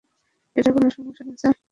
এটা কোনো সমস্যা না স্যার।